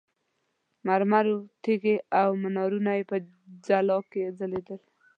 مرمرو تیږې او منارونه یې په ځلا کې ځلېدل.